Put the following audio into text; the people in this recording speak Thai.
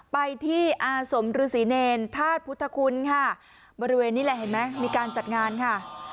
ไปที่อาสมฤษีเนรธาตุพุทธคุณค่ะบริเวณนี้แหละเห็นไหมมีการจัดงานค่ะ